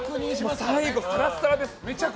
最後、サラサラです。